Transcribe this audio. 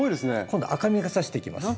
今度は赤みがさしてきます。